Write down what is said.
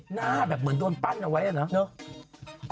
หน้าแบบเหมือนโดนปั้นเอาไว้อะเนาะ